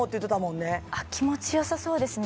気持ちよさそうですね